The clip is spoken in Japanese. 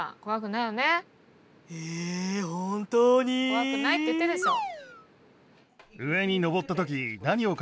怖くないって言ってるでしょ。